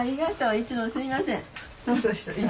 いつもすいません。